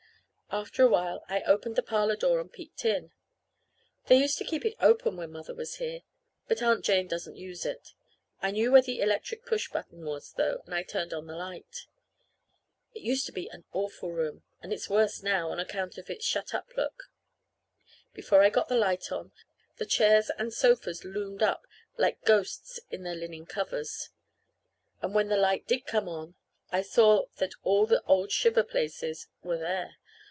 After a while I opened the parlor door and peeked in. They used to keep it open when Mother was here; but Aunt Jane doesn't use it. I knew where the electric push button was, though, and I turned on the light. It used to be an awful room, and it's worse now, on account of its shut up look. Before I got the light on, the chairs and sofas loomed up like ghosts in their linen covers. And when the light did come on, I saw that all the old shiver places were there.